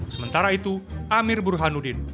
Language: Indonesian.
sementara itu amir burhanuddin